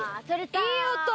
いい音！